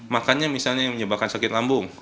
makannya misalnya yang menyebabkan sakit lambung